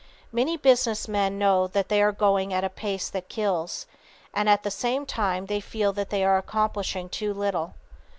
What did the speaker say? Many business men know they are going at a pace that kills, and at the same time they feel that they are accomplishing too little.